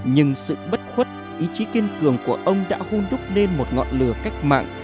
nhưng sự bất khuất ý chí kiên cường của ông đã hun đúc lên một ngọn lửa cách mạng